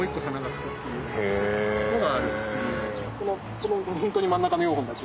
このホントに真ん中の４本だけ。